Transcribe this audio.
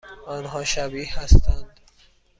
آنها شبیه هستند؟